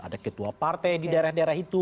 ada ketua partai di daerah daerah itu